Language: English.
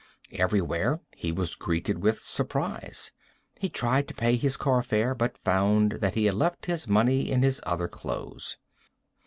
Everywhere he was greeted with surprise. He tried to pay his car fare, but found that he had left his money in his other clothes.